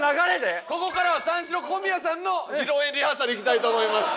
ここからは三四郎小宮さんの披露宴リハーサルいきたいと思います。